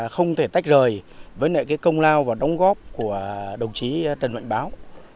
không thể tách rời với công lao và đóng góp của đồng chí trần mạnh báo